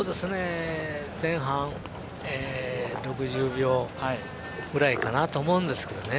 前半、６０秒ぐらいかなと思うんですけどね。